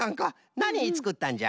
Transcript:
なにつくったんじゃ？